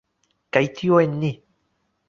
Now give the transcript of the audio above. Kaj tio en ni.